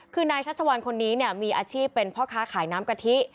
คือนายชัชวัลคนนี้มีอาชีพเป็นพ่อค้าขายน้ำกะทิ